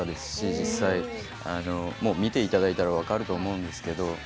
実際見ていただいたら分かると思うんですけど。